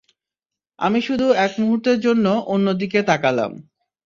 আমি শুধু এক মূহুর্তের জন্য অন্যদিকে তাকালাম।